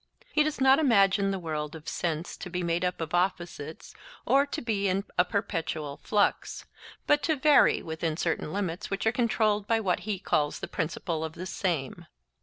He does not imagine the world of sense to be made up of opposites or to be in a perpetual flux, but to vary within certain limits which are controlled by what he calls the principle of the same.